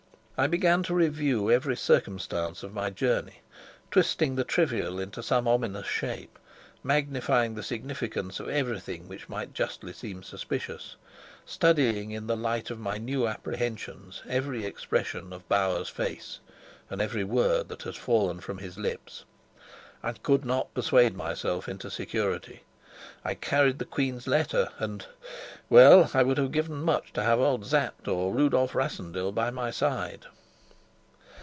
I began to review every circumstance of my journey, twisting the trivial into some ominous shape, magnifying the significance of everything which might justly seem suspicious, studying in the light of my new apprehensions every expression of Bauer's face and every word that had fallen from his lips. I could not persuade myself into security. I carried the queen's letter, and well, I would have given much to have old Sapt or Rudolf Rassendyll by my side.